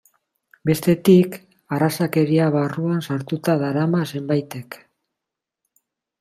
Bestetik, arrazakeria barruan sartuta darama zenbaitek.